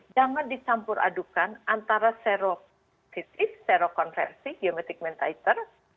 jangan disampur adukan antara serotitis serokonversi geometric mentizer